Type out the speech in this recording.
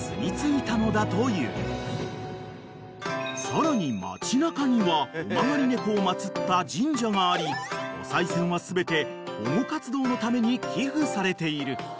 ［さらに街なかには尾曲がり猫を祭った神社がありおさい銭は全て保護活動のために寄付されている］